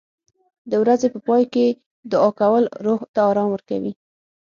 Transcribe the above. د ورځې په پای کې دعا کول روح ته آرام ورکوي.